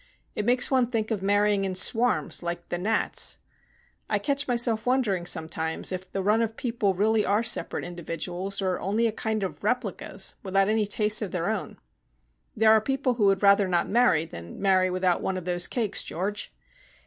It makes one think of marrying in swarms, like the gnats. I catch myself wondering sometimes if the run of people really are separate individuals, or only a kind of replicas, without any tastes of their own. There are people who would rather not marry than marry without one of those cakes, George.